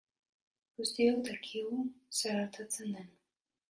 Guztiok dakigu zer gertatzen den.